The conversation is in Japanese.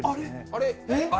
あれ？